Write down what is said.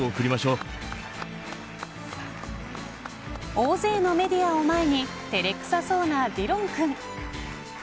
大勢のメディアを前に照れくさそうなディロン君。